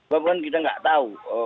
bahkan kita nggak tahu